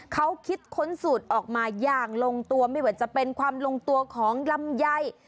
เขาคิดค้นสูตรออกมาอย่างลงตัวไม่ว่าจะเป็นความลงตัวของลำไย